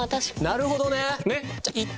なるほどね！